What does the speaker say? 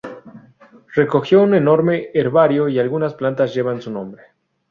Recogió un enorme herbario, y algunas plantas llevan su nombre.